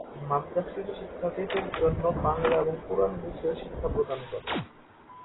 মাদ্রাসাটি শিক্ষার্থীদের জন্য বাংলা এবং কুরআন বিষয়ে শিক্ষা প্রদান করে।